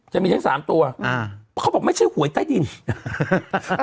จะมีทั้ง๓ตัวอ่าเขาบอกไม่ใช่หวยใต้ดินเออเอายังไง